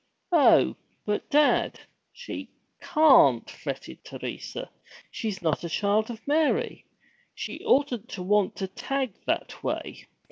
'Oh, but, dad, she can't!' fretted Teresa. 'She's not a Child of Mary! She oughtn't to want to tag that way.